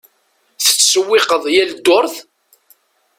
Tettsewwiqeḍ yal ddurt?